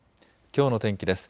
きょうの天気です。